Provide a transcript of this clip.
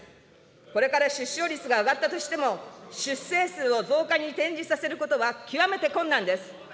これから出生率が上がったとしても、出生数を増加に転じさせることは極めて困難です。